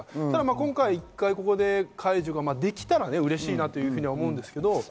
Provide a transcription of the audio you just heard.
今回、１回解除ができたら嬉しいなと思うんですけど。